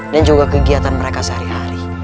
dan juga kegiatan mereka sehari hari